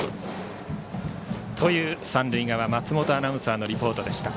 という三塁側松本アナウンサーのリポートでした。